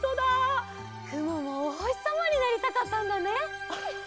くももおほしさまになりたかったんだね。